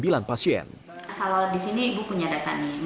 kalau di sini ibu punya data nih